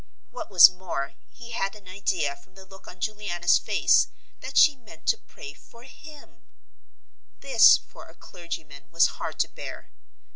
What was more, he had an idea from the look on Juliana's face that she meant to pray for him. This, for a clergy man, was hard to bear.